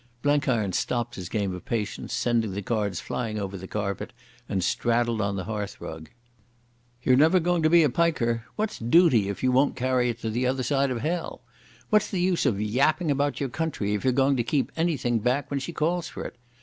Blenkiron stopped his game of Patience, sending the cards flying over the carpet, and straddled on the hearthrug. "You're never going to be a piker. What's dooty, if you won't carry it to the other side of Hell? What's the use of yapping about your country if you're going to keep anything back when she calls for it?